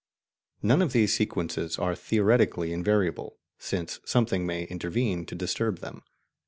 None of these sequences are theoretically invariable, since something may intervene to disturb them.